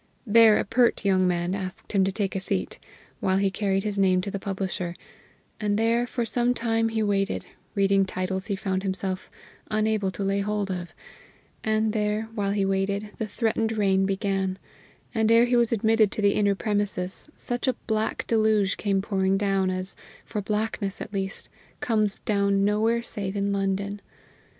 There a pert young man asked him to take a seat, while he carried his name to the publisher, and there for some time he waited, reading titles he found himself unable to lay hold of; and there, while he waited, the threatened rain began, and, ere he was admitted to the inner premises, such a black deluge came pouring down as, for blackness at least, comes down nowhere save in London.